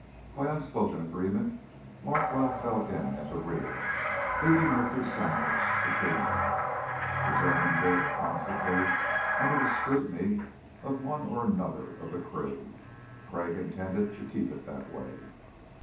By unspoken agreement Larkwell fell in at the rear, leaving Richter sandwiched between them. The German lived constantly under the scrutiny of one or another of the crew. Crag intended to keep it that way.